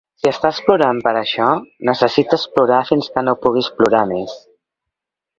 Si estàs plorant per això, necessites plorar fins que no puguis plorar més.